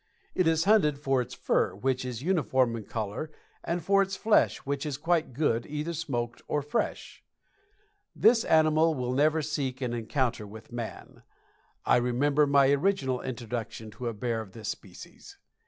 It is hunted for its fur, which is uniform in color, and for its flesh, which is quite good, either smoked or fresh. This animal will never seek an encounter with man. I remember my original introduction to a bear of this species.